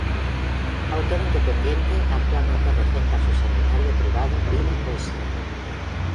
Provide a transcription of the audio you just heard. Autor independiente, actualmente regenta su seminario privado Vida y Poesía.